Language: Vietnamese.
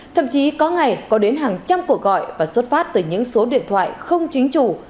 thậm chí có ngày có đến hàng trăm cuộc gọi và xuất phát từ những số điện thoại không chính chủ